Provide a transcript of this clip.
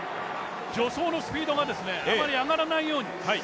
助走のスピードがあまり上がらないように。